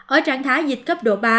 ở trạng thái dịch cấp độ ba